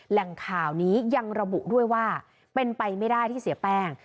แหล่งข่าวนี้ยังระบุด้วยว่าเป็นไปไม่ได้ที่เสียแป้ง